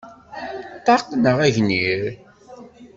Ṭṭaq neɣ agnir?